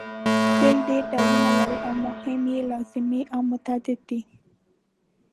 فعل ډېر ډولونه لري او مهم یې لازمي او متعدي دي.